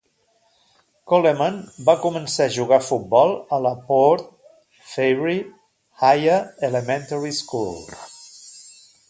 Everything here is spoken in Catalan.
Coleman va començar a jugar a futbol a la Port Fairy Higher Elementary School.